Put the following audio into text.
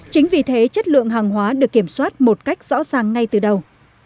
chính vì thế chất lượng hàng hóa được kiểm soát một cách rõ ràng ngay từ đầu